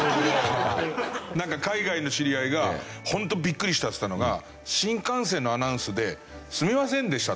海外の知り合いがホントビックリしたって言ってたのが新幹線のアナウンスで「すみませんでした」と。